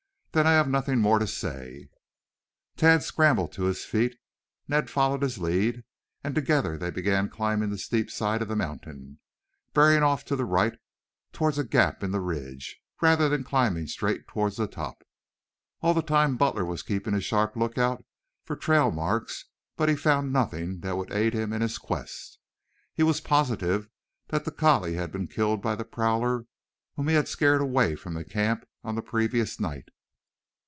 "Then I have nothing more to say." Tad had scrambled to his feet. Ned followed his lead, and together they began climbing the steep side of the mountain, bearing off to the right towards a gap in the ridge, rather than climbing straight towards the top. All the time Butler was keeping a sharp lookout for trail marks, but he found nothing that would aid him in his quest. He was positive that the collie had been killed by the prowler whom he had scared away from the camp on the previous night.